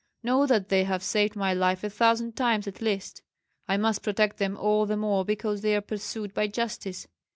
Know that they have saved my life a thousand times at least. I must protect them all the more because they are pursued by justice.